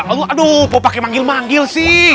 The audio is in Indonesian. aduh mau pake manggil manggil sih